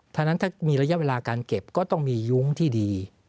ถ้านั้นถ้ามีระยะเวลาการเก็บก็ต้องมียุ้งที่ดี